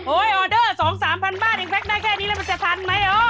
ออเดอร์๒๓พันบาทเองแพ็คได้แค่นี้แล้วมันจะทันไหม